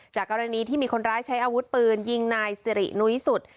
กรณีที่มีคนร้ายใช้อาวุธปืนยิงนายสิรินุ้ยสุด